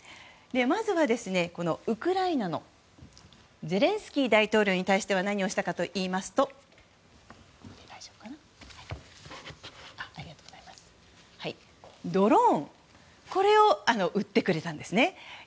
まずはウクライナのゼレンスキー大統領に対しては何をしたかといいますとドローンを売ってくれたんです。